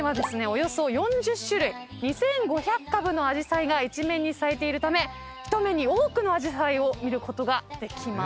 およそ４０種類２，５００株のあじさいが一面に咲いているため一目に多くのあじさいを見ることができます。